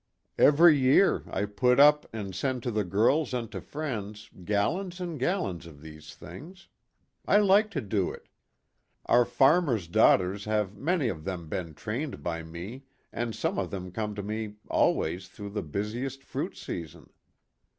Every year I put up and send to the girls and to friends gallons and gallons of these things. I like to do it. Our farmers' daughters have many of them been trained by me and some of them come to me always through the busiest fruit season.